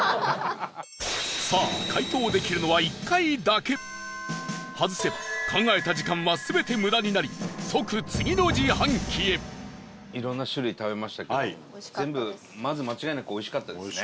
さあ、解答できるのは１回だけ外せば、考えた時間は全て無駄になり即、次の自販機へ伊達：いろんな種類食べましたけど全部、まず間違いなくおいしかったですね。